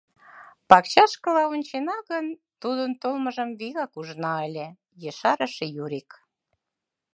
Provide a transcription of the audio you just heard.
— Пакчашкыла ончена гын, тудын толмыжым вигак ужына ыле, — ешарыш Юрик.